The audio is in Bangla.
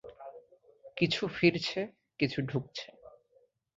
কিছু ফিরছে, কিছু ঢুকছে।